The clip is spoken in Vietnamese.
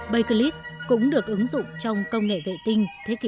bakelite cũng được ứng dụng trong công nghệ vệ tinh thế kỷ hai mươi một